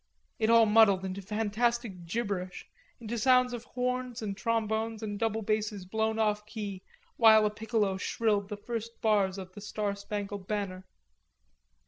It all muddled into fantastic gibberish into sounds of horns and trombones and double basses blown off key while a piccolo shrilled the first bars of "The Star Spangled Banner."